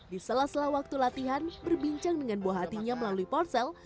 di sela sela waktu latihan berbincang dengan buah hatinya melalui ponsel